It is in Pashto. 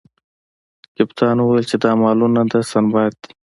کپتان وویل چې دا مالونه د سنباد دي.